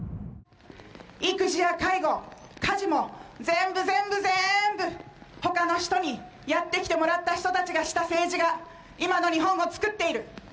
育児や介護家事も全部全部ぜーんぶ他の人にやってきてもらった人たちがした政治が今の日本をつくっている。